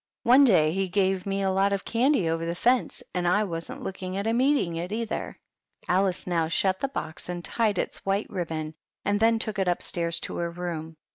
One day he gave me a lot of candy over the fence, and I wasn't looking at him eating it, either." Alice now shut the box and tied its white ribbon, and then took it up etairs into her room.